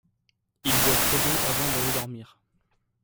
Il boit trop d’eau avant d’aller dormir.